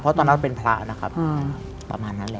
เพราะตอนนั้นเป็นพระนะครับประมาณนั้นแหละ